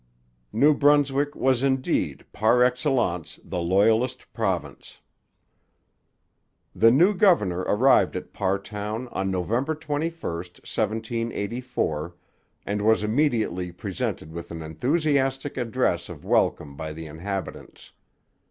New Brunswick was indeed par excellence the Loyalist province. The new governor arrived at Parrtown on November 21, 1784, and was immediately presented with an enthusiastic address of welcome by the inhabitants.